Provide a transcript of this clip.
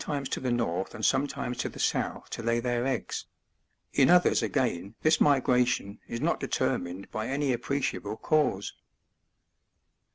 S7 to the north and sometimes to the south to lay their eggs ; in others again this migration is not determined by any appreciable cause.